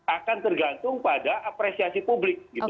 akan tergantung pada apresiasi publik gitu